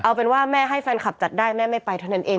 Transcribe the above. เอาเป็นว่าแม่ให้แฟนคลับจัดได้แม่ไม่ไปเท่านั้นเอง